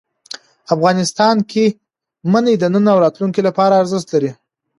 افغانستان کې منی د نن او راتلونکي لپاره ارزښت لري.